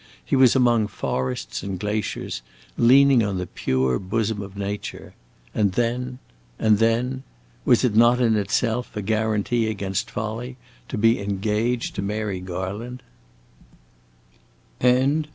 He was among forests and glaciers, leaning on the pure bosom of nature. And then and then was it not in itself a guarantee against folly to be engaged to Mary Garland?